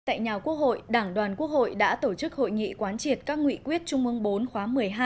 tại nhà quốc hội đảng đoàn quốc hội đã tổ chức hội nghị quán triệt các nghị quyết trung ương bốn khóa một mươi hai